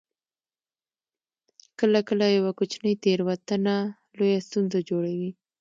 کله کله یوه کوچنۍ تیروتنه لویه ستونزه جوړوي